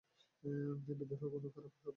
বিদ্রোহ কোনো খারাপ শব্দ না।